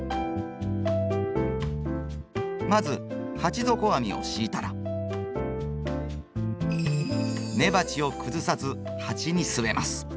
まず鉢底網を敷いたら根鉢を崩さず鉢に据えます。